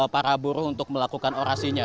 para buruh untuk melakukan orasinya